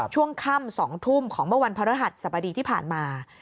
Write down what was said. ช่วงค่ำ๒ทุ่มของเมื่อวันพระรหัสสบดีที่ผ่านมา